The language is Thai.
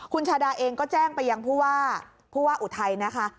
คุณชาดาเองก็แจ้งไปยังผู้ว่าผู้ว่าอุทัยนะคะ